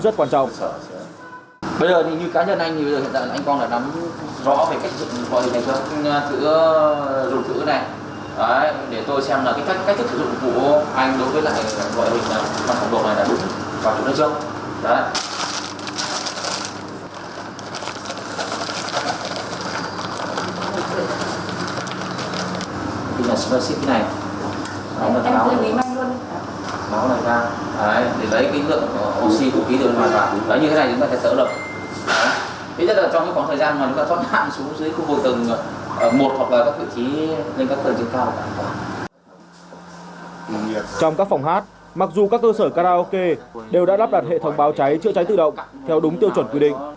trong các phòng hát mặc dù các cơ sở karaoke đều đã đắp đặt hệ thống báo cháy chữa cháy tự động theo đúng tiêu chuẩn quy định